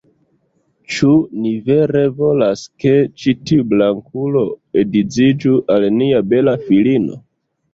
"Ĉu ni vere volas, ke ĉi tiu blankulo edziĝu al nia bela filino?"